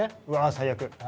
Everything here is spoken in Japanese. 最悪。